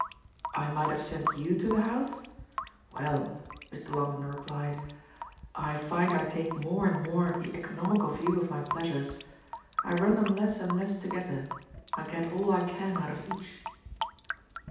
"I might have sent YOU to the house? Well," Mr. Longdon replied, "I find I take more and more the economical view of my pleasures. I run them less and less together. I get all I can out of each."